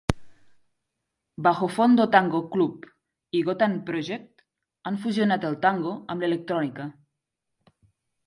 Bajofondo Tango Club i Gotan Project han fusionat el tango amb l'electrònica.